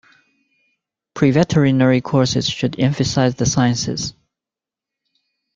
Preveterinary courses should emphasize the sciences.